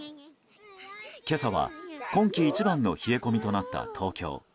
今朝は、今季一番の冷え込みとなった東京。